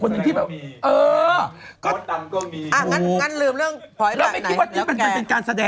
ลงใหม่คืออะไร